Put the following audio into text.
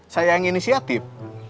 saya yang inisiatif